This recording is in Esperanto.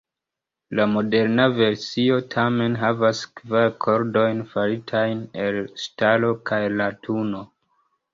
La moderna versio tamen havas kvar kordojn faritajn el ŝtalo kaj latuno.